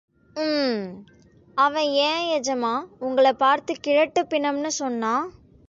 உம்...... அவன் ஏன் ஏஜமான், உங்களைப் பார்த்துக் கிழட்டுப் பிணம்னு சொன்னான்?